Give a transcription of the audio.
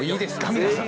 皆さん。